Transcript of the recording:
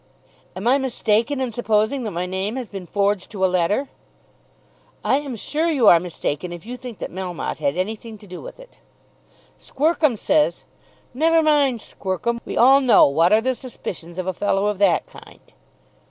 "Am I mistaken in supposing that my name has been forged to a letter?" "I am sure you are mistaken if you think that Melmotte had anything to do with it." "Squercum says " "Never mind Squercum. We all know what are the suspicions of a fellow of that kind."